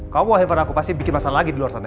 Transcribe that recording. kamu haven aku pasti bikin masalah lagi di luar sana